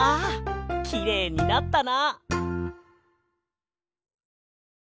きれいになったな。